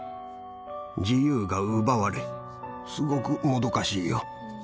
自由が奪われ、すごくもどかしいよ。